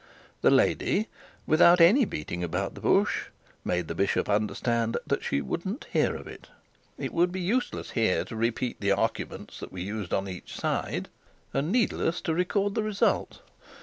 The lady, without any beating about the bush, made the bishop understand that she wouldn't hear of it. It would be useless here to repeat the arguments that were used on each side, and needless to record the result.